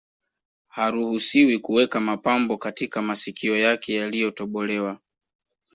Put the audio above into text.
Haruhusiwi kuweka mapambo katika masikio yake yaliyotobolewa